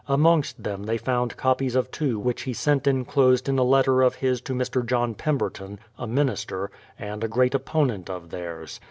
Amongst them they found copies of two which he sent enclosed in a letter of his to Mr. John Pemberton, a minister, and a great opponent of theirs.